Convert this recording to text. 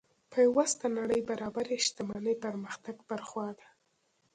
پیوسته نړۍ برابرۍ شتمنۍ پرمختګ پر خوا ده.